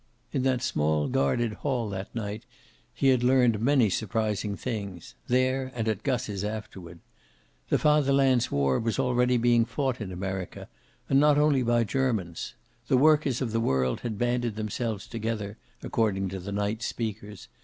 In that small guarded hail that night he had learned many surprising things, there and at Gus's afterward. The Fatherland's war was already being fought in America, and not only by Germans. The workers of the world had banded themselves together, according to the night's speakers.